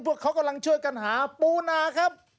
พวกเขากำลังช่วยกันหาปูนาครับ